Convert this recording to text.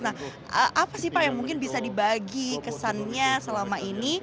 nah apa sih pak yang mungkin bisa dibagi kesannya selama ini